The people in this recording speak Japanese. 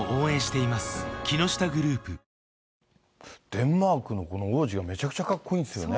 デンマークのこの王子がめちゃくちゃかっこいいんですよね。